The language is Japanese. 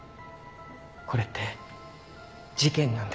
これって事件なんですか？